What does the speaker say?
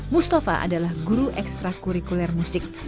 mustafa adalah guru ekstra kurikuler musik